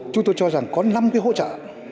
chúng tôi cho rằng có năm cái hỗ trợ